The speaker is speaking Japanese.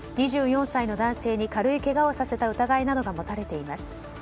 ２４歳の男性に軽いけがをさせた疑いが持たれています。